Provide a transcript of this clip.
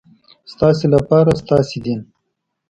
ستاسې لپاره ستاسې دین.